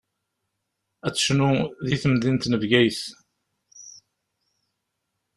Ad tecnu di temdint n Bgayet.